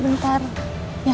sebentar aja ya